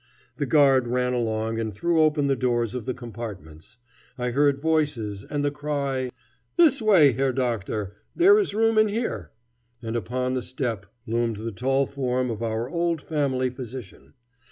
The guard ran along and threw open the doors of the compartments. I heard voices and the cry: "This way, Herr Doctor! There is room in here," and upon the step loomed the tall form of our old family physician.